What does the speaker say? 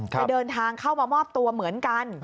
จะเดินทางเข้ามามอบตัวเหมือนกัน